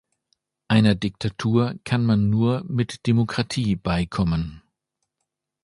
Einer Diktatur kann man nur mit Demokratie beikommen.